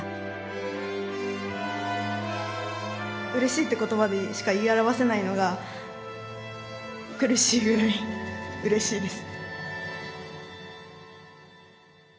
「うれしい」って言葉でしか言い表せないのが苦しいぐらいうれしいです。